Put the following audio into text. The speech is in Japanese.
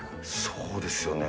そうですよね。